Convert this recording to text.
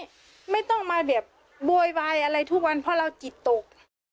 ไม่ต้องมาแบบโวยวายอะไรทุกวันเพราะเราจิตตก